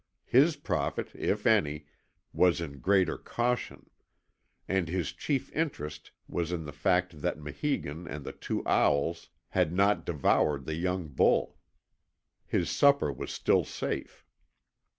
His profit, if any, was in a greater caution. And his chief interest was in the fact that Maheegun and the two owls had not devoured the young bull. His supper was still safe.